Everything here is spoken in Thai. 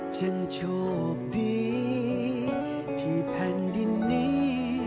ฉันโชคดีที่แผ่นดินนี้